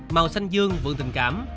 màu xanh dương vượng tình cảm